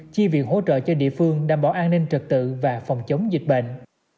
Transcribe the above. chi viện hỗ trợ cho địa phương đảm bảo an ninh trật tự và phòng chống dịch bệnh